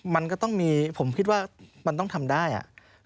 มันก็ต้องมีผมคิดว่ามันต้องทำได้อ่ะ